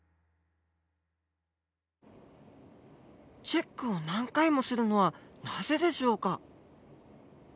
チェックを何回もするのはなぜでしょうか？